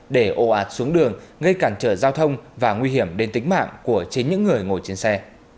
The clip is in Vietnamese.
để ồ ạt xuống đường gây cản trở giao thông và nguy hiểm đến tính mạng của chính những người ngồi trên xe